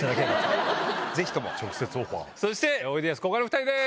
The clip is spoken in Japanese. そしておいでやすこがの２人です。